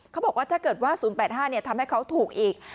เขาบอกว่าถ้าเกิดว่า๐๘๕ทำให้เขาถูกอีก